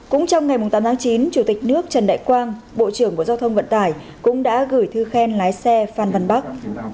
cũng trong ngày tám tháng chín chủ tịch nước trần đại quang bộ trưởng bộ giao thông vận tải cũng đã gửi thư khen lái xe phan văn bắc